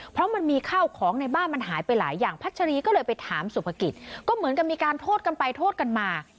เพราะมันมีข้าวของในบ้านมันหายไปหลายอย่างพัชรีก็เลยไปถามสุภกิจก็เหมือนกับมีการโทษกันไปโทษกันมา